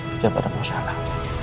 kejap ada masalah